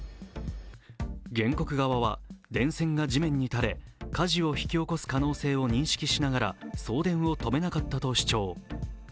原告側は電線が地面に垂れ、火事を引き起こす可能性を認識しながらも送電を止めなかったと主張。